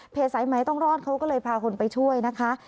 สายไหมต้องรอดเขาก็เลยพาคนไปช่วยนะคะ